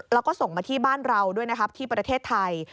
แล้วก็ส่งมาที่บ้านเราด้วยนะครับที่ประเทศไทย